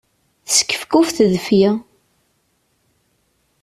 Teskefkuf tedfi.